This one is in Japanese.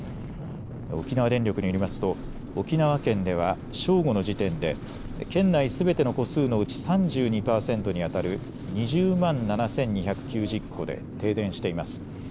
沖縄電力によりますと沖縄県では正午の時点で県内すべての戸数のうち３２％にあたる２０万７２９０戸で停電しています。